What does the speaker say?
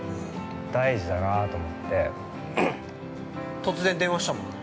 ◆突然電話したもんな。